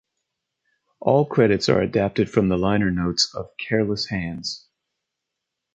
All credits are adapted from the liner notes of "Careless Hands".